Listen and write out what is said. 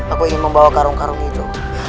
aku ingin membawa karung karung itu